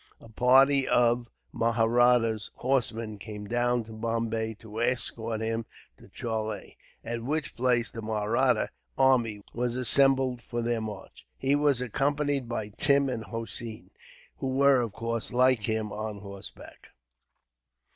A party of Mahratta horsemen came down to Bombay to escort him to Chaule, at which place the Mahratta army were assembled for their march. He was accompanied by Tim and Hossein, who were of course, like him, on horseback.